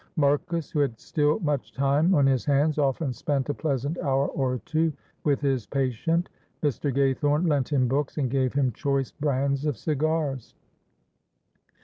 Marcus, who had still much time on his hands, often spent a pleasant hour or two with his patient. Mr. Gaythorne lent him books, and gave him choice brands of cigars.